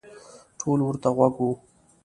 ټول ورته غوږ وو.